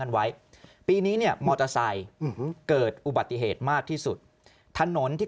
ไว้ปีนี้เนี่ยมอเตอร์ไซค์เกิดอุบัติเหตุมากที่สุดถนนที่